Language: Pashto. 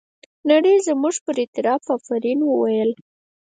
نړۍ زموږ پر اعتراف افرین وویل.